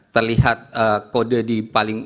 terlihat kode di paling